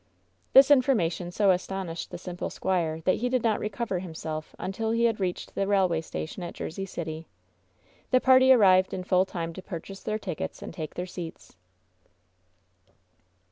This information so astonished the simple squire that he did not recover himself until he had reached the railway station at Jersey City. The party arrived in full time to purchase their tickets and take their seats.